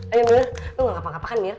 aduh mir lu nggak ngapa ngapakan mir aduh